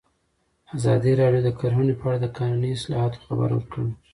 ازادي راډیو د کرهنه په اړه د قانوني اصلاحاتو خبر ورکړی.